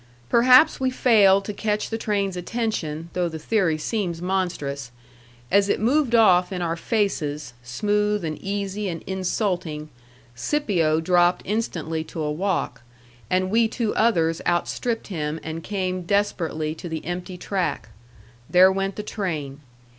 Perhaps we failed to catch the train's attention, though the theory seems monstrous. As it moved off in our faces, smooth and easy and insulting, Scipio dropped instantly to a walk, and we two others outstripped him and came desperately to the empty track. There went the train.